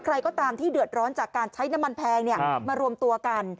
ใครก็ตามที่เดือดร้อนจากการใช้น้ำมันแพงมารวมตัวกัน